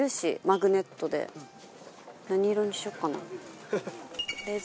何色にしようかな？